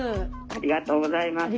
ありがとうございます。